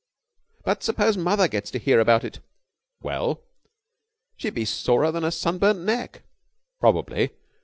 "But suppose mother gets to hear about it?" "Well?" "She'd be sorer than a sunburned neck." "Probably.